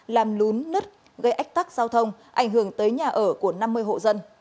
làm lún nứt gây ách tắc giao thông ảnh hưởng tới nhà ở của năm mươi hộ dân